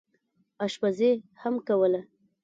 اشپزي هم کوله.